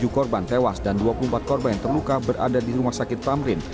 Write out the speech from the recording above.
tujuh korban tewas dan dua puluh empat korban yang terluka berada di rumah sakit tamrin